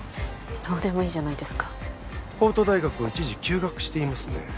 どうでもいいじゃないですか法都大学を一時休学していますね